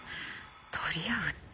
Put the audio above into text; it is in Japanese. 取り合うって。